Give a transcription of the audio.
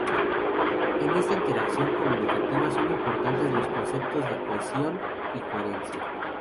En esta interacción comunicativa son importantes los conceptos de cohesión y coherencia.